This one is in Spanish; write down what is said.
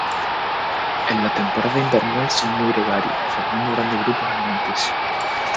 En la temporada invernal son muy gregarios, formando grandes grupos alimenticios.